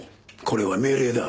これは命令だ。